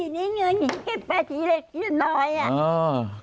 เงินมา้อย่างน้อย